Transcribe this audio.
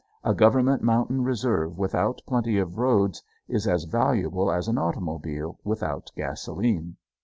A Government mountain reserve without plenty of roads is as valuable as an automobile without gasoline.